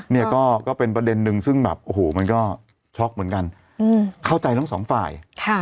เนี่ยก็เป็นประเด็นนึงซึ่งแบบโอ้โหมันก็ช็อกเหมือนกันเข้าใจทั้งสองฝ่าย